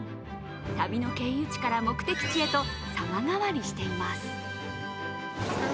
旅の経由地から目的地へと様変わりしています。